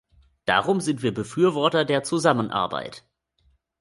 Darum sind wir Befürworter der Zusammenarbeit.